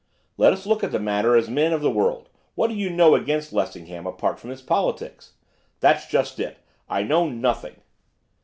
'Let us look at the matter as men of the world. What do you know against Lessingham, apart from his politics?' 'That's just it, I know nothing.